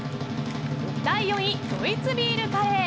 第４位、ドイツビールカレー。